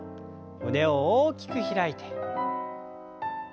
胸を大きく開いて。